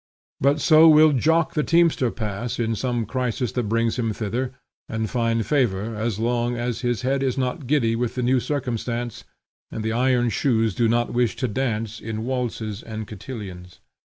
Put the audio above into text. But so will Jock the teamster pass, in some crisis that brings him thither, and find favor, as long as his head is not giddy with the new circumstance, and the iron shoes do not wish to dance in waltzes and cotillons.